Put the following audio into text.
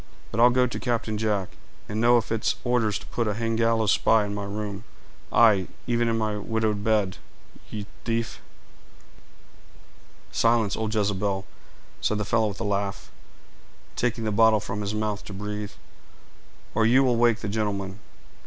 "But I'll go to Captain Jack, and know if it's orders to put a hang gallows spy in my room; aye, even in my widowed bed, you tief!" "Silence, old Jezebel!" said the fellow with a laugh, taking the bottle from his mouth to breathe, "or you will wake the gentleman.